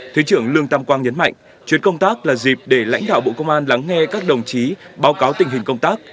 thứ trưởng lương tam quang nhấn mạnh chuyến công tác là dịp để lãnh đạo bộ công an lắng nghe các đồng chí báo cáo tình hình công tác